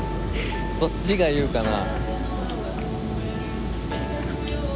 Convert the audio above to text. そっちが言うかな。